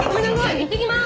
いってきます！